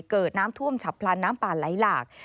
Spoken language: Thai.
เกิดน้ำท่วมฉับพลันน้ำป่าไหลหลาก